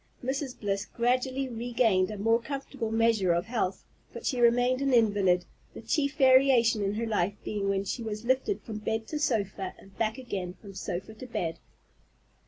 Mrs. Bliss gradually regained a more comfortable measure of health, but she remained an invalid, the chief variation in her life being when she was lifted from bed to sofa, and back again from sofa to bed.